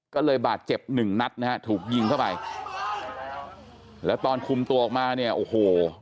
ก็เลยบาดเจ็บหนึ่งนัดนะฮะถูกยิงเข้าไปแล้วตอนคุมตัวออกมาเนี่ยโอ้โห